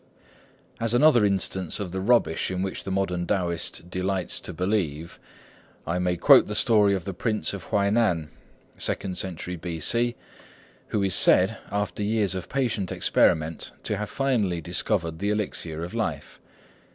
As another instance of the rubbish in which the modern Taoist delights to believe, I may quote the story of the Prince of Huai nan, second century B.C., who is said, after years of patient experiment, to have finally discovered the elixir of life.